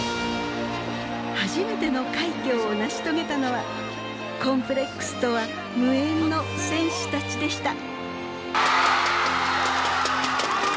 初めての快挙を成し遂げたのはコンプレックスとは無縁の選手たちでした。